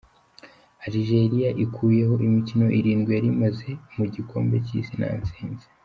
Algeria ikuyeho imikino irindwi yari imaze mu gikombe cy’Isi nta ntsinzi.